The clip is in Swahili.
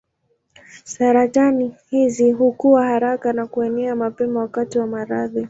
Saratani hizi hukua haraka na kuenea mapema wakati wa maradhi.